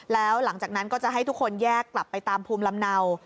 แล้วหลังจากนั้นก็จะให้ทุกคนแยกกลับไปตามภูมิลำเนา